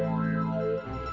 sampai jumpa lagi